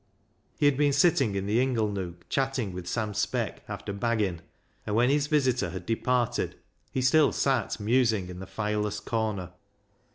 He had been sitting in the inglenook chatting with Sam Speck, after baggin', and when his visitor had departed he still sat musing in the fireless corner.